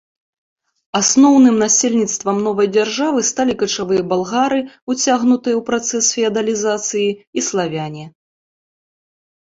Асноўным насельніцтвам новай дзяржавы сталі качавыя балгары, уцягнутыя ў працэс феадалізацыі, і славяне.